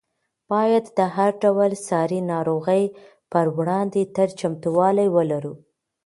باید د هر ډول ساري ناروغۍ په وړاندې تل چمتووالی ولرو.